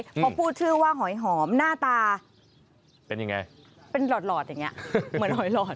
พอพูดชื่อว่าหอยหอมหน้าตาเป็นยังไงเป็นหลอดอย่างเงี้ย